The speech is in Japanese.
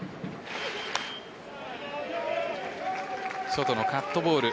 外のカットボール。